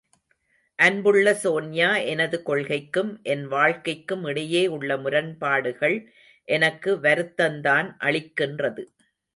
அன்புள்ள சோன்யா, எனது கொள்கைக்கும், என் வாழ்க்கைக்கும் இடையே உள்ள முரண்பாடுகள் எனக்கு வருத்தந்தான் அளிக்கின்றது.